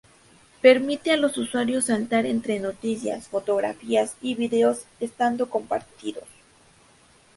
Permite a los usuarios saltar entre noticias, fotografías y vídeos estando compartidos.